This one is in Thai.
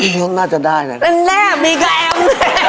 อืมน่าจะได้น่ะแน่นแน่มีก็แอ้ม